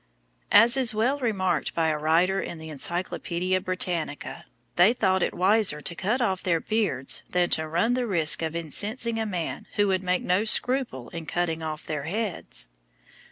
As is well remarked by a writer in the Encyclopædia Britannica, they thought it wiser to cut off their beards than to run the risk of incensing a man who would make no scruple in cutting off their heads.